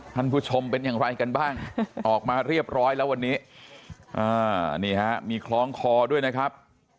ท่านผู้ชมเป็นอย่างไรกันบ้างออกมาเรียบร้อยแล้ววันนี้นี่ฮะมีคล้องคอด้วยนะครับ